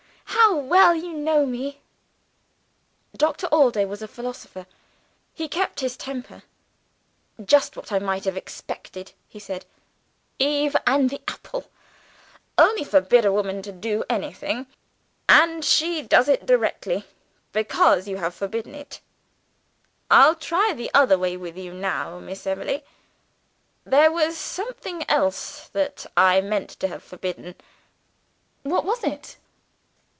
"How well you know me!" Doctor Allday was a philosopher: he kept his temper. "Just what I might have expected," he said. "Eve and the apple! Only forbid a woman to do anything, and she does it directly be cause you have forbidden her. I'll try the other way with you now, Miss Emily. There was something else that I meant to have forbidden." "What was it?"